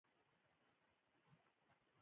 دوکاندار د خلکو خدمت عبادت ګڼي.